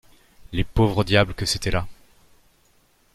Les pauvres diables que c'étaient là!